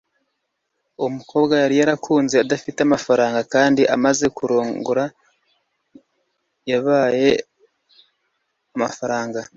Umukobwa yari yarakuze adafite amafaranga kandi amaze kurongora yabaye amafaranga